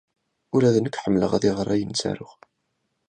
Ula d nekk ḥemmleɣ ad iɣer ayen ttaruɣ.